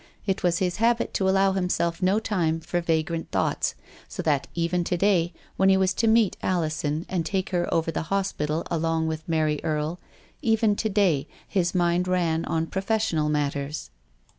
It was his habit to allow himself no time for vagrant thoughts, so that even to day, when he was to meet Alison and take her over the hospital along with Mary Erie, even to day his mind ran on professional matters.